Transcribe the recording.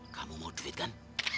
kamu mau duit kan